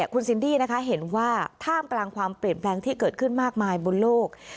คุณซินดี้นะคะเห็นว่าท่ามกลางความเปลี่ยนแปลงที่เกิดขึ้นมากมายบนโลก